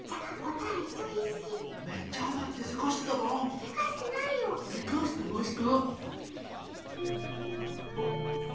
せかしてました！